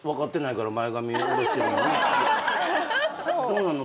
どうなの？